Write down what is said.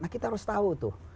kita harus tahu tuh